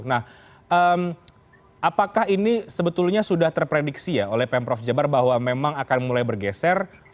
nah apakah ini sebetulnya sudah terprediksi ya oleh pemprov jabar bahwa memang akan mulai bergeser